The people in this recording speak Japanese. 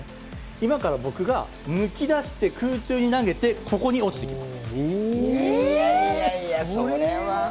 今から僕が抜き出して空中に投げて、ここに落ちてきます。